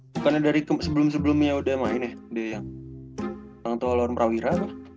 bukannya dari sebelum sebelumnya udah main deh yang hangtua lawan prawira